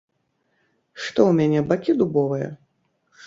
Што ў мяне, бакі дубовыя?